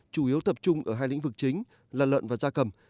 chủ yếu tập trung ở hai lĩnh vực chính là lợn và da cầm